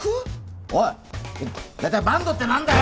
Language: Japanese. おい大体坂東って何だよ？